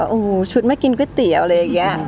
ว่าชุดมากินก๋วยเตี๋ยวอะไรอย่างเงี้ย